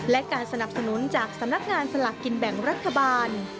และการสนับสนุนจากสำนักงานสลากกินแบ่งรัฐบาล